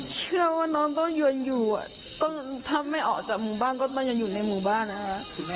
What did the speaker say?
เชื่อว่าน้องต้องยืนอยู่อ่ะต้องถ้าไม่ออกจากหมู่บ้านก็ต้องยืนอยู่ในหมู่บ้านนะครับ